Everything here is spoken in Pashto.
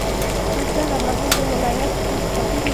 بزګان د افغانستان د ولایاتو په کچه توپیر لري.